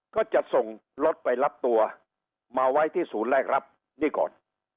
ก็จะส่งรถไปรับตัวมาไว้ที่ศูนย์แรกรับนี่ก่อน